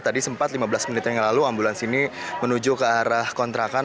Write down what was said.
tadi sempat lima belas menit yang lalu ambulans ini menuju ke arah kontrakan